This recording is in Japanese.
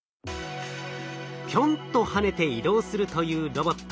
ぴょんと跳ねて移動するというロボット